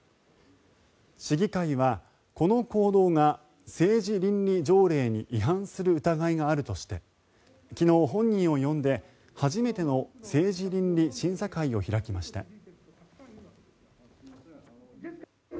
市議会はこの行動が政治倫理条例に違反する疑いがあるとして昨日、本人を呼んで初めての政治倫理審査会を開きました。